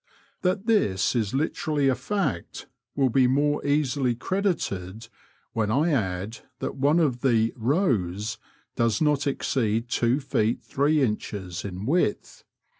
That this is literally a fact will be more easily credited when I add that one of the rows *' does not exceed two feet three inches in width.